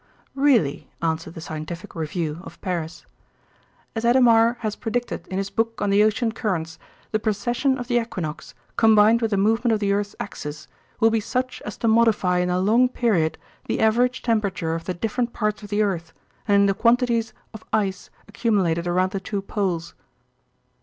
"Really," answered the Scientific Review, of Paris. "As Adhemar has predicted in his book on the ocean currents, the precession of the equinox, combined with the movement of the earth's axis, will be such as to modify in a long period the average temperature of the different parts of the earth and in the quantities of ice accumulated around the two poles."